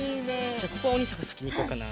じゃあここはおにいさんがさきにいこうかな。